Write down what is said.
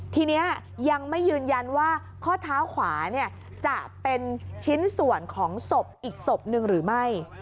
ทีนี้ยังไม่ยืนยันว่าข้อเท้าขวาจะเป็นชิ้นส่วนของศพอีกศพหนึ่งหรือไม่